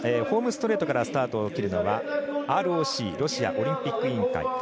ホームストレートからスタートを切るのはＲＯＣ＝ロシアオリンピック委員会。